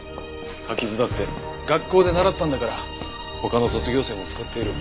柿酢だって学校で習ったんだから他の卒業生も使っている。